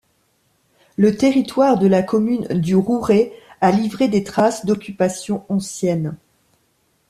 Le territoire de la commune du Rouret a livré des traces d'occupation ancienne.